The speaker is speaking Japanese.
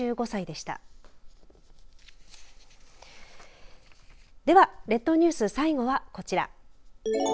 では、列島ニュース最後はこちら。